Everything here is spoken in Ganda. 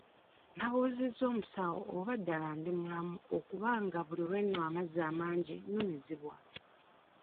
Nabuuzizza omusaawo oba ddala ndi mulamu okubanga buli lwe nnywa amazzi amangi numizibwa?